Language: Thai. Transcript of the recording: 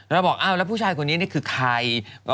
แล้วบอกอ้าวแล้วผู้ชายคนนี้คือใคร